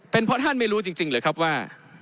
เป็นเพราะท่านไม่รู้จริงหรือครับว่า